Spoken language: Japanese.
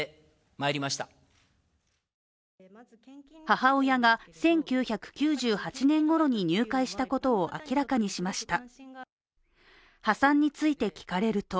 母親が１９９８年ごろに入会したことを明らかにしました。